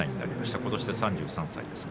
今年で３３歳です。